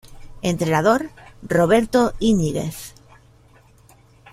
Entrenador: Roberto Íñiguez